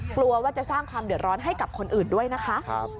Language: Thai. กลัวว่าจะสร้างความเดือดร้อนให้กับคนอื่นด้วยนะคะ